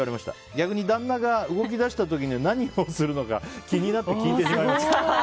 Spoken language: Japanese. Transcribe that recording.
逆に旦那が動き出した時に何をするのか気になって聞いてしまいます。